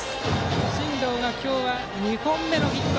真藤、今日２本目のヒット。